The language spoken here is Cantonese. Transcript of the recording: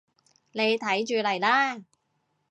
你睇住嚟啦